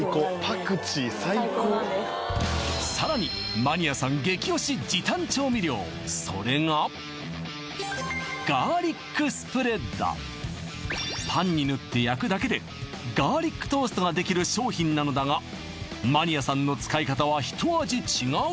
パクチー最高最高なんですさらにそれがパンに塗って焼くだけでガーリックトーストができる商品なのだがマニアさんの使い方はひと味違う！